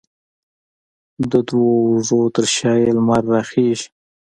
د دوو اوږو ترشا یې، لمر راخیژې